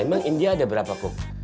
emang india ada berapa kok